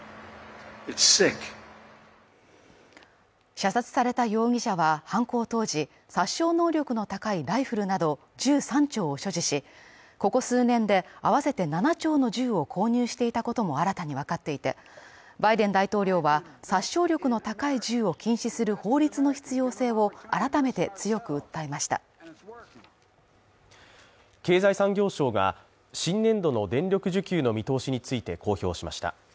射殺された容疑者は犯行当時、殺傷能力の高いライフルなど銃３丁を所持し、ここ数年で合わせて７丁の銃を購入していたことも新たにわかっていて、バイデン大統領は、殺傷力の高い銃を禁止する法律の必要性を改めて強く訴えました経済産業省が新年度の電力需給の見通しについて公表しました。